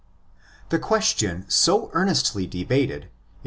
The question so earnestly debated (cc.